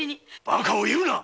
バカを言うな。